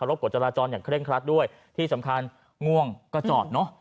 กฎจราจรอย่างเคร่งครัดด้วยที่สำคัญง่วงก็จอดเนอะ